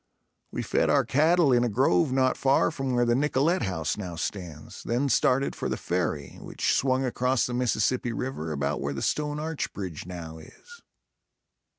We fed our cattle in a grove not far from where the Nicollet House now stands, then started for the ferry, which swung across the Mississippi River about where the stone arch bridge now is.